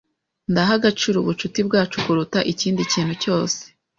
Ndaha agaciro ubucuti bwacu kuruta ikindi kintu cyose.